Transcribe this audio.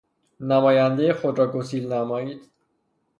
نمایندهُ خود را گسیل نمائید.